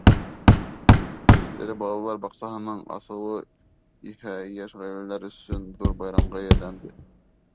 Биҫтәлә балалар баҡсаһының асылыуы иһә йәш ғаиләләр өсөн ҙур байрамға әйләнде.